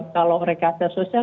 kalau recahase sosial